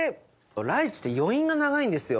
ライチって余韻が長いんですよ。